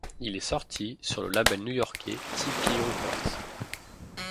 Il est sorti le sur le label new-yorkais Tee Pee Records.